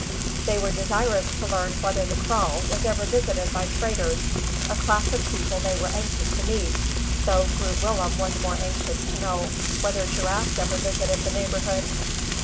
They were desirous to learn whether the kraal was ever visited by traders, a class of people they were anxious to meet, though Groot Willem was more anxious to know whether giraffes ever visited the neighbourhood.